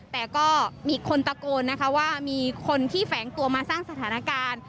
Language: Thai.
แต่ก็มีคนตะโกนนะคะว่ามีคนที่แฝงตัวมาสร้างสถานการณ์